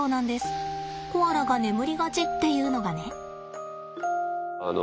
コアラが眠りがちっていうのがね。